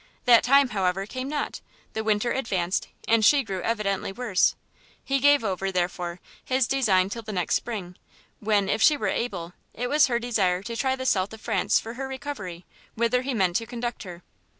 That time, however, came not; the Winter advanced, and she grew evidently worse. He gave over, therefore, his design till the next Spring, when, if she were able, it was her desire to try the South of France for her recovery, whither he meant to conduct her.